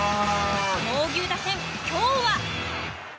猛牛打線、今日は？